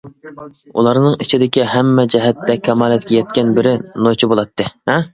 ئۇلارنىڭ ئىچىدىكى ھەممە جەھەتتە كامالەتكە يەتكەن بىرى «نوچى» بولاتتى.